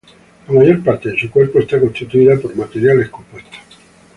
La mayor parte de su cuerpo está constituida por materiales compuestos.